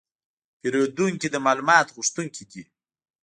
پیرودونکي د معلوماتو غوښتونکي دي.